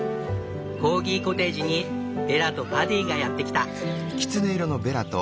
コーギコテージにベラとパディがやってきた。